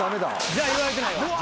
じゃあ言われてないわ。